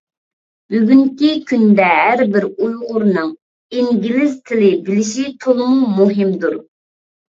بۈگۈنكى كۈندە ھەر بىر ئۇيغۇرنىڭ ئىنگلىز تىلى بىلىشى تولىمۇ مۇھىمدۇر.